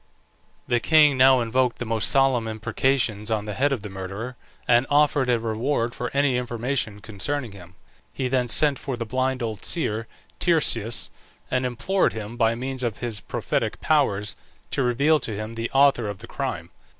The king now invoked the most solemn imprecations on the head of the murderer, and offered a reward for any information concerning him. He then sent for the blind old seer Tiresias, and implored him, by means of his prophetic powers, to reveal to him the author of the crime.